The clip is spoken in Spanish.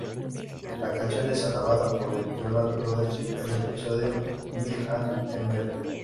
La canción es alabada por los Jonas Brothers en el episodio "Me and Mr.